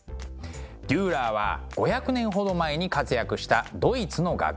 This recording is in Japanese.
デューラーは５００年ほど前に活躍したドイツの画家。